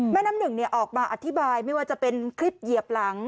น้ำหนึ่งออกมาอธิบายไม่ว่าจะเป็นคลิปเหยียบหลัง